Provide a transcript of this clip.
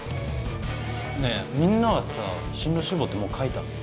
ねえみんなはさ進路志望ってもう書いた？